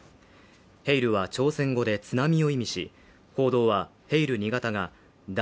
ヘイルは朝鮮語で津波を意味し報道はヘイル２型がだ